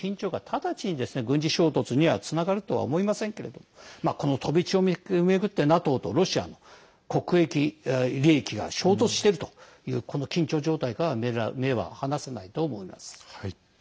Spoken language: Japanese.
直ちに軍事衝突につながるとは思いませんけれどもこの飛び地を巡ってＮＡＴＯとロシア国益、利益が衝突しているというこの緊張状態から目が離せないと思います。